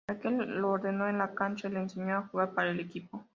Aquel lo ordenó en la cancha y le enseñó a jugar para el equipo.